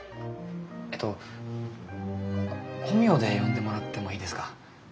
えっと本名で呼んでもらってもいいですか？